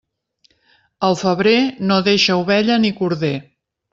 El febrer no deixa ovella ni corder.